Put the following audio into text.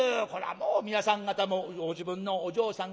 もう皆さん方もご自分のお嬢さん